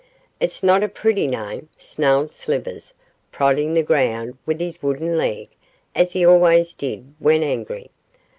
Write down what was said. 'It's not a pretty name,' snarled Slivers, prodding the ground with his wooden leg, as he always did when angry.